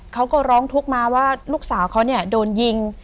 เขาก็ร้องทุกข์มาว่าลูกสาวเขาเนี่ยโดนยิง